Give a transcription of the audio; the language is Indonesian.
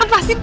lo pasir tuh